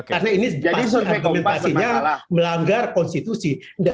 karena ini pasti argumentasinya melanggar konstitusi